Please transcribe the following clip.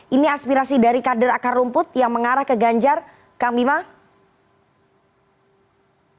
ini aspirasi dari kader akar rumput yang mengarah ke ganjar kang bima